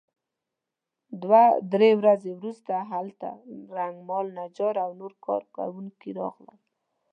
دوه درې ورځې وروسته هلته رنګمال نجار او نور کار کوونکي راغلل.